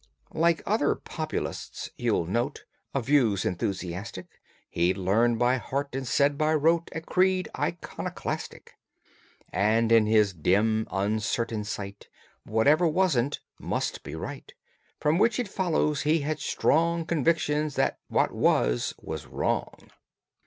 Like other populists, you'll note, Of views enthusiastic, He'd learned by heart, and said by rote A creed iconoclastic; And in his dim, uncertain sight Whatever wasn't must be right, From which it follows he had strong Convictions that what was, was wrong.